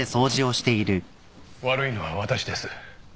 悪いのは私です。